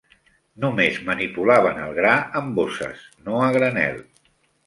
Només manipulaven el gra amb bosses, no a granel.